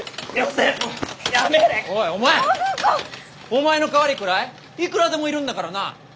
お前の代わりくらいいくらでもいるんだからな！